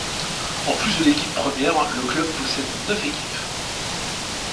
En plus de l'équipe première, le club possède neuf équipes.